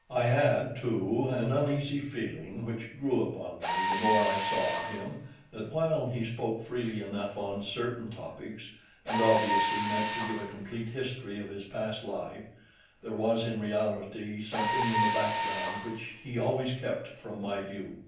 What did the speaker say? I had, too, an uneasy feeling, which grew upon me the more I saw of him, that while he spoke freely enough on certain topics, and obviously meant to give a complete history of his past life, there was in reality something in the background which he always kept from my view.